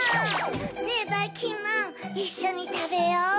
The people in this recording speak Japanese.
ねぇばいきんまんいっしょにたべよう。